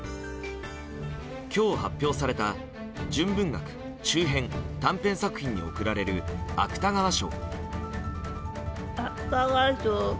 今日発表された純文学中編・短編作品に贈られる芥川賞。